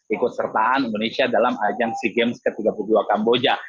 ikut sertaan indonesia dalam ajang sea games ke tiga puluh dua kamboja